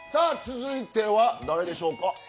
続いては誰でしょうか？